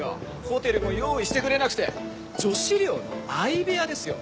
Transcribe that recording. ホテルも用意してくれなくて女子寮の相部屋ですよ。